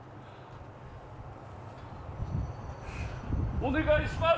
お願いします。